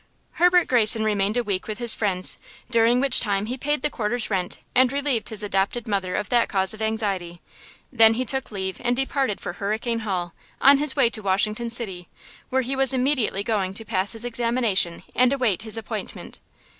Herbert Greyson remained a week with his friends, during which time he paid the quarter's rent, and relieved his adopted mother of that cause of anxiety. Then he took leave and departed for Hurricane Hall, on his way to Washington City, where he was immediately going to pass his examination and await his appointment.